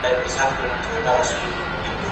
زه به سبا قلمان کار کړم!؟